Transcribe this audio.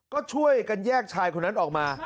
ก็ช่วยกันแยกชายคนนั้นออกมา